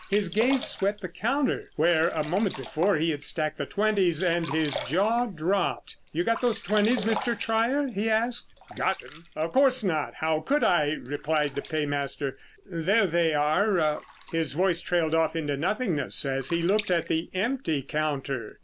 His gaze swept the counter where, a moment before, he had stacked the twenties, and his jaw dropped. "You got those twenties, Mr. Trier?" he asked. "Got them? Of course not, how could I?" replied the paymaster. "There they are...." His voice trailed off into nothingness as he looked at the empty counter.